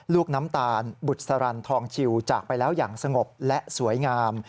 ลูกน้ำตาลบุษรันทองชิวจากไปแล้วอย่างสงบและสวยงาม